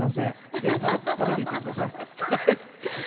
ぜひ食べていってください。